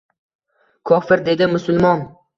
«Kofir» dedi musulmon.